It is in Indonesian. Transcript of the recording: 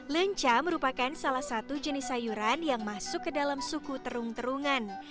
lenca merupakan salah satu jenis sayuran yang masuk ke dalam suku terung terungan